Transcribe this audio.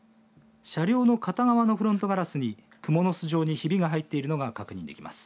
車両の片側のフロントガラスにくもの巣状にひびが入っているのが確認できます。